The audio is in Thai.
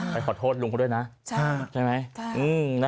ไปขอโทษลุงเขาด้วยนะใช่ไหม